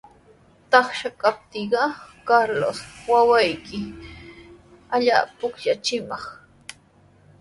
Taksha kaptiiqa Carlos wawqiimi allaapa pukllachimaq.